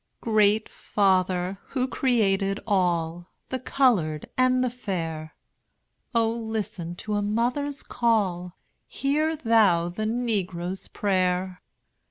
Great Father! who created all, The colored and the fair, O listen to a mother's call; Hear Thou the negro's prayer!